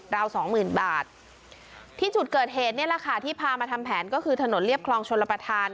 สองหมื่นบาทที่จุดเกิดเหตุนี่แหละค่ะที่พามาทำแผนก็คือถนนเรียบคลองชลประธาน